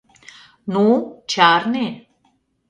— Ну, чарне...